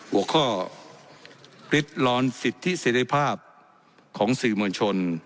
หัวข้อริดร้อนสิทธิเสร็จภาพของสื่อมวลชน